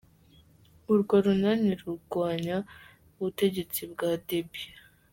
Urwo runani rugwanya ubutegetsi bwa Déby.